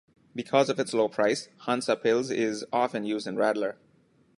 Because of its low price, Hansa Pils is often used in Radler.